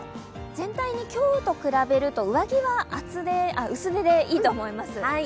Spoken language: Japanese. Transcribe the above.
全体に今日と比べると上着は薄手でいいと思います。